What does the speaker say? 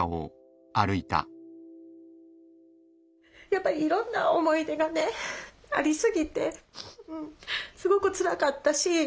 やっぱりいろんな思い出がねありすぎてすごくつらかったし。